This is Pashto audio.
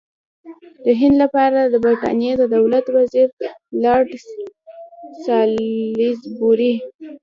د هند لپاره د برټانیې د دولت وزیر لارډ سالیزبوري.